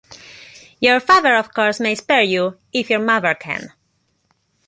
Your father of course may spare you, if your mother can.